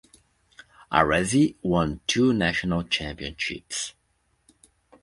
Arese won two national championships.